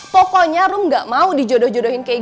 pokoknya rum gak mau di jodoh jodoh dengan umi ya